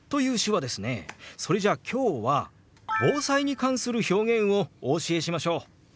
それじゃあ今日は防災に関する表現をお教えしましょう！